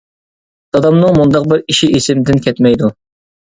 دادامنىڭ مۇنداق بىر ئېشى ئىسىمدىن كەتمەيدۇ.